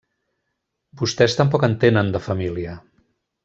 Vostès tampoc en tenen, de familia.